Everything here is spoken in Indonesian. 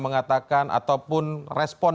mengatakan ataupun respon